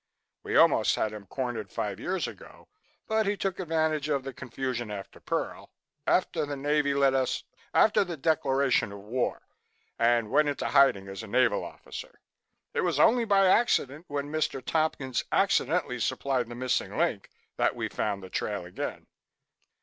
We almost had him cornered five years ago but he took advantage of the confusion after Pearl after the Navy let us after the declaration of war, and went into hiding as a naval officer. It was only by accident, when Mr. Tompkins accidentally supplied the missing link, that we found the trail again."